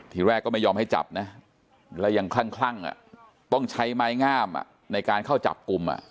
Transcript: ทีแรกก็ไม่ยอมให้จับนะแล้วยังคลั่งต้องใช้ไม้งามในการเข้าจับกลุ่ม